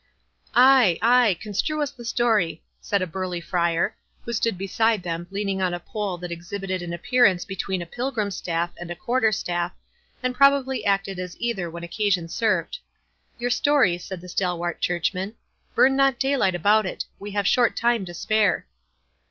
"Ay, ay—construe us the story," said a burly Friar, who stood beside them, leaning on a pole that exhibited an appearance between a pilgrim's staff and a quarter staff, and probably acted as either when occasion served,—"Your story," said the stalwart churchman; "burn not daylight about it—we have short time to spare."